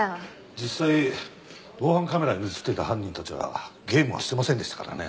実際防犯カメラに映っていた犯人たちはゲームはしてませんでしたからね。